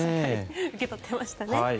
受け取ってましたね。